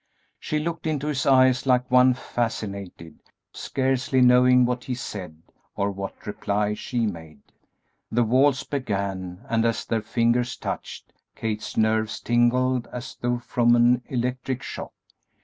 She looked into his eyes like one fascinated, scarcely knowing what he said or what reply she made. The waltz began, and as their fingers touched Kate's nerves tingled as though from an electric shock.